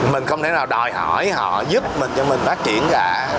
mình không thể nào đòi hỏi họ giúp mình cho mình phát triển cả